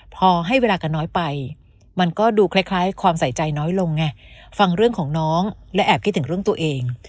พอให้เวลากันน้อยไปมันก็ดูคล้ายความใส่ใจน้อยลงไงฟังเรื่องของน้องและแอบคิดถึงเรื่องตัวเอง